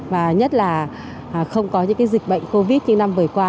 và nhất là không có những dịch bệnh covid như năm vừa qua